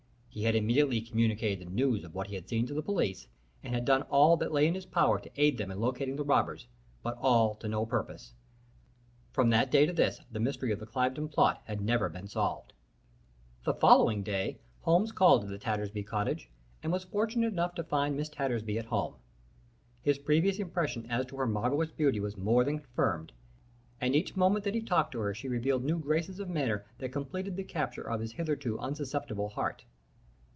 He had immediately communicated the news of what he had seen to the police, and had done all that lay in his power to aid them in locating the robbers, but all to no purpose. From that day to this the mystery of the Cliveden plot had never been solved. "The following day Holmes called at the Tattersby cottage, and was fortunate enough to find Miss Tattersby at home. His previous impression as to her marvellous beauty was more than confirmed, and each moment that he talked to her she revealed new graces of manner that completed the capture of his hitherto unsusceptible heart.